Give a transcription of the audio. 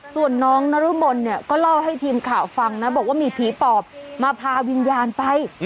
ส่วนน้องนรมนเนี่ยก็เล่าให้ทีมข่าวฟังนะบอกว่ามีผีปอบมาพาวิญญาณไป